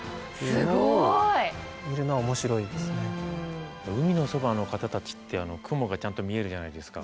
すごい！海のそばの方たちって雲がちゃんと見えるじゃないですか。